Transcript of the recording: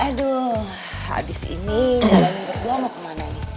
aduh abis ini galangin berdua mau kemana nih